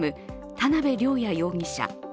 田辺稜弥容疑者。